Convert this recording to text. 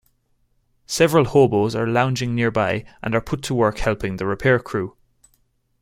Several hobos are lounging nearby and are put to work helping the repair crew.